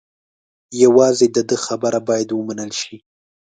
یوازې د ده خبره باید و منل شي.